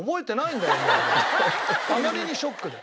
あまりにショックで。